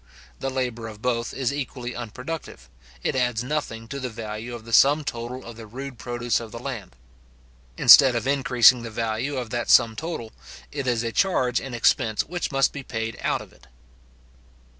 The labour of both is equally unproductive. It adds nothing to the value of the sum total of the rude produce of the land. Instead of increasing the value of that sum total, it is a charge and expense which must be paid out of it.